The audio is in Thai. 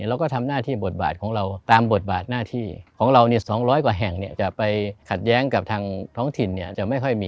เราก็ทำหน้าที่บทบาทของเราตามบทบาทหน้าที่ของเราเนี่ย๒๐๐กว่าแห่งเนี่ยจะไปขัดแย้งกับทางท้องถิ่นเนี่ยจะไม่ค่อยมี